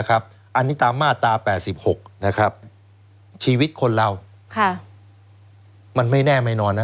อันนี้ตามมาตรา๘๖ชีวิตคนเรามันไม่แน่ไม่นอนนะ